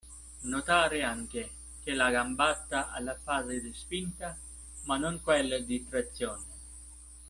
Notare anche che la gambata ha la fase di spinta, ma non quella di trazione.